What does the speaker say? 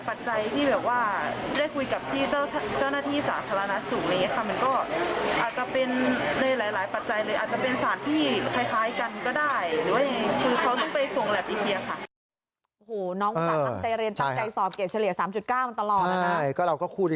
ปัจจัยเลยอาจจะเป็นสารที่คล้ายกันก็ได้